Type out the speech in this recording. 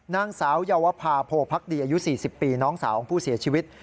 นางสาวเยาวภาโพพักดีอายุ๔๐ปีน้องสาวของผู้เสียชีวิต